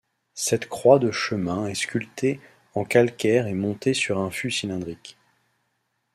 Cette croix de chemin est sculptée en calcaire et montée sur un fût cylindrique.